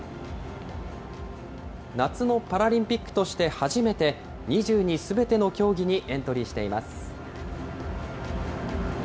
夏のパラリンピックとして初めて、２２すべての競技にエントリーしています。